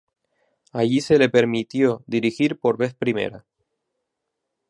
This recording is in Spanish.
Allí se le permitió dirigir por vez primera.